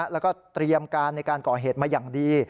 แล้วก็เตรียมการในการก่อเหตุมาอย่างดี